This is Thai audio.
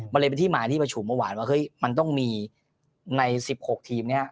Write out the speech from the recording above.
มันเลยเป็นที่มาที่ประชุมเมื่อวานว่าเฮ้ยมันต้องมีใน๑๖ทีมนี้